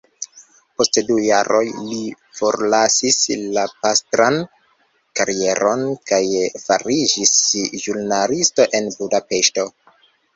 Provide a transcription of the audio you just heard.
Post du jaroj li forlasis la pastran karieron, kaj fariĝis ĵurnalisto en Budapeŝto.